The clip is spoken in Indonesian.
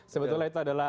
sebetulnya itu adalah